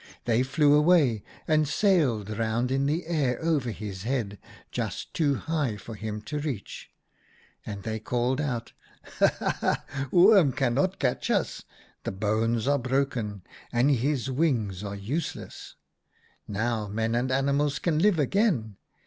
They flew away and sailed round in the air over his head, just too high for him to reach, and they called out :' Ha ! THE FLYING LION 115 ha ! ha ! Oom cannot catch us ! The bones are broken, and his wings are useless. Now men and animals can live again.